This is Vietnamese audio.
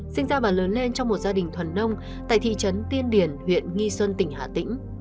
sinh ra và lớn lên trong một gia đình thuần nông tại thị trấn tiên điển huyện nghi xuân tỉnh hà tĩnh